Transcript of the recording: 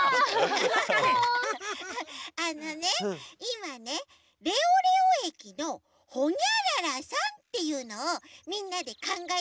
あのねいまね「レオレオえきのほにゃららさん」っていうのをみんなでかんがえてたの。